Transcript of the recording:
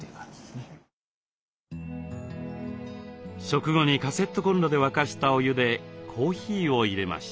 食後にカセットコンロで沸かしたお湯でコーヒーをいれました。